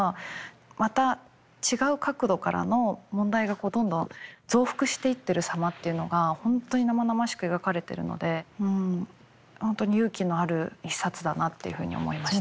また違う角度からの問題がどんどん増幅していってる様っていうのが本当に生々しく描かれてるので本当に勇気のある一冊だなっていうふうに思いました。